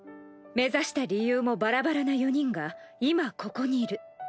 目指した理由もバラバラな４人が今ここにいる。